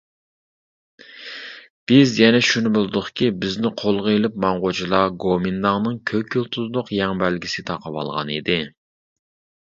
بىز يەنە شۇنى بىلدۇقكى بىزنى قولغا ئېلىپ ماڭغۇچىلار گومىنداڭنىڭ كۆك يۇلتۇزلۇق يەڭ بەلگىسى تاقىۋالغان ئىدى.